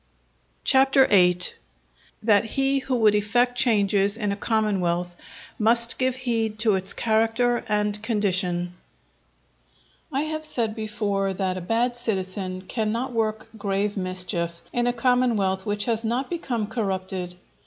CHAPTER VIII.—That he who would effect Changes in a Commonwealth, must give heed to its Character and Condition I have said before that a bad citizen cannot work grave mischief in a commonwealth which has not become corrupted.